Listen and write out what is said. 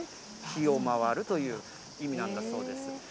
日を回るという意味なんだそうです。